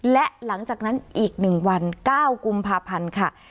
และหลังจากนั้นอีก๑วัน๙กุมภาพันธ์ค่ะ